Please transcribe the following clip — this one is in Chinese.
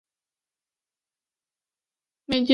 美籍日裔企业家。